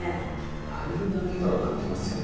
だいぶ難易度上がってますよね。